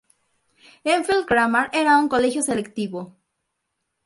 Enfield Grammar era un colegio selectivo.